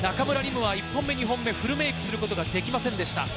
夢は１本目、２本目、フルメイクすることができませんでした。